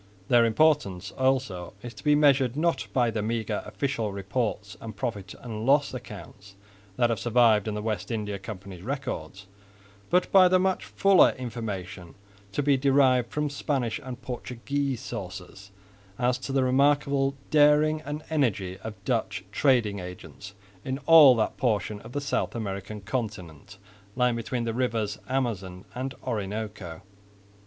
Their importance also is to be measured not by the meagre official reports and profit and loss accounts that have survived in the West India Company's records, but by the much fuller information to be derived from Spanish and Portuguese sources, as to the remarkable daring and energy of Dutch trading agents in all that portion of the South American continent lying between the rivers Amazon and Orinoco.